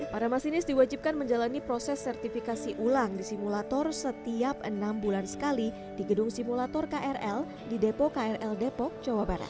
para masinis diwajibkan menjalani proses sertifikasi ulang di simulator setiap enam bulan sekali di gedung simulator krl di depo krl depok jawa barat